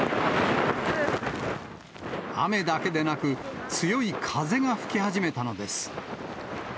雨だけでなく、強い風が吹き始めたのです。